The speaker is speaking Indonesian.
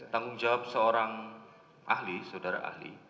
tanggung jawab seorang ahli saudara ahli